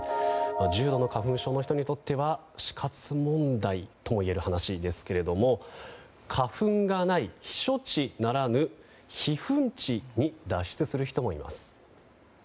重度の花粉症の人にとっては死活問題ともいえる話ですが花粉がない避暑地ならぬ避粉地に脱出する人もいます。